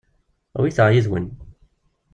Awit-aɣ yid-wen.